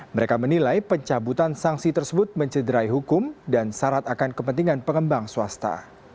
mereka menilai pencabutan sanksi tersebut mencederai hukum dan syarat akan kepentingan pengembang swasta